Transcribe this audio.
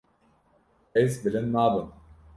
Ez bilind nabim.